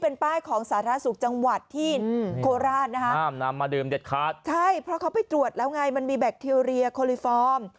เพราะเขาไปตรวจแล้วไงมันมีแบคทีเรียโคลิฟอร์ม